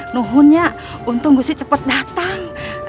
nuhun ya untung gue cepet datang